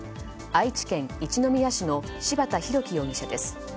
愛知県一宮市の柴田啓貴容疑者です。